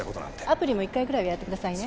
アプリも１回ぐらいはやってくださいね。